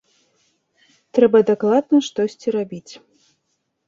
Трэба дакладна штосьці рабіць.